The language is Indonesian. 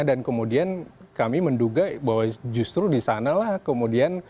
dan kemudian kami menduga bahwa justru di sana lah kemudian